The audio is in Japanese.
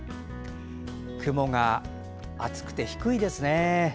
雲が厚くて低いですね。